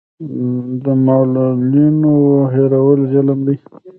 د معلولینو هېرول ظلم دی.